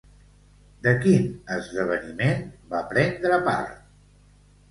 De quin esdeveniment va prendre part?